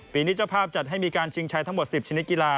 นี้เจ้าภาพจัดให้มีการชิงชัยทั้งหมด๑๐ชนิดกีฬา